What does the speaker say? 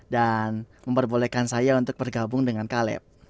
dan memperbolehkan saya untuk bergabung dengan kaleb